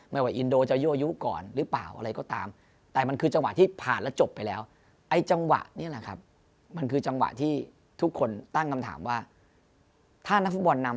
ไม่ว่าอินโดจะโยยุก่อนหรือเปล่าอะไรก็ตาม